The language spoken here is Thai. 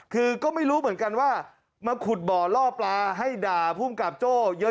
คือก็ไม่รู้เหมือนกันว่ามาขุดบ่อล่อปลาให้ด่าภูมิกับโจ้เยอะ